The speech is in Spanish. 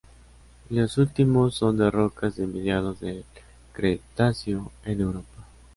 Los últimos son de rocas de mediados del Cretáceo en Europa.